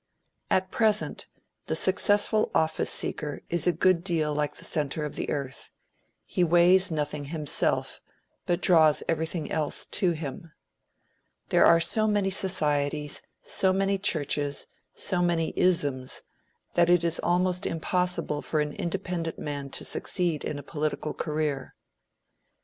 At present, the successful office seeker is a good deal like the centre of the earth; he weighs nothing himself, but draws everything else to him. There are so many societies, so many churches, so many isms, that it is almost impossible for an independent man to succeed in a political career.